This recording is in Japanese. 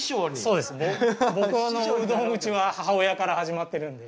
僕はうどん打ちは母親から始まってるんで。